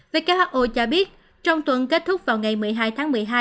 who cho biết trong tuần kết thúc vào ngày một mươi hai tháng một mươi hai